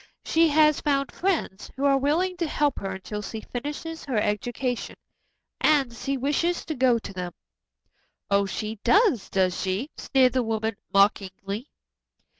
She has found friends who are willing to help her until she finishes her education, and she wishes to go to them." "Oh, she does, does she?" sneered the woman mockingly.